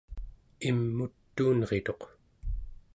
im'utuunrituq